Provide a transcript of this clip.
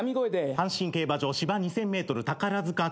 阪神競馬場芝２，０００ｍ宝塚記念。